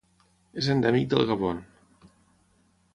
És endèmic del Gabon.